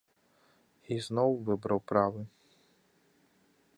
І зноў выбраў правы.